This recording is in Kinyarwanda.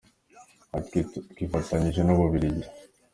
Yagize ati “ Twifatanyije n’u Bubiligi.